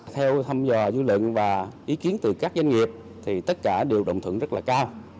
theo thăm dò dư luận và ý kiến từ các doanh nghiệp thì tất cả đều đồng thuận rất là cao